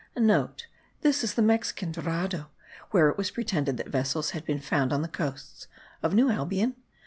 *(* This is the Mexican Dorado, where it was pretended that vessels had been found on the coasts [of New Albion?